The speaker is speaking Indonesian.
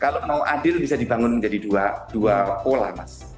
kalau mau adil bisa dibangun menjadi dua pola mas